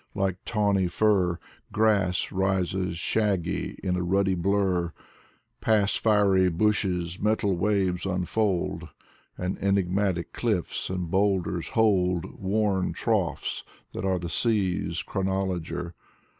Like tawny fur Grass rises shaggy in a ruddy blur; Past fiery bushes metal waves unfold ; And enigmatic cliffs and boulders hold Worn troughs that are the sea's chronologer.